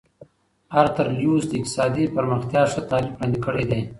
ارتر ليوس د اقتصادي پرمختيا ښه تعريف وړاندې کړی دی.